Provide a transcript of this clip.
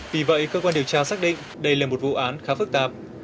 vì vậy cơ quan điều tra xác định đây là một vụ án khá phức tạp